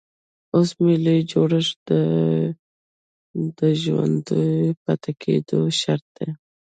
اوس ملي جوړښت د ژوندي پاتې کېدو شرط دی.